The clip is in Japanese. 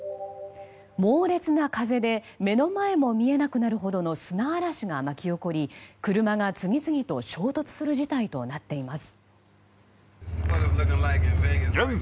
猛烈な風で目の前も見えなくなるほどの砂嵐が巻き起こり車が次々と衝突する事態となっています。